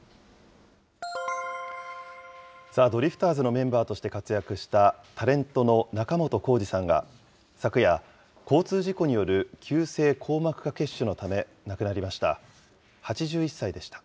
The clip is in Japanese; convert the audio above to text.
ザ・ドリフターズのメンバーとして活躍したタレントの仲本工事さんが、昨夜、交通事故による急性硬膜下血腫のため亡くなりました。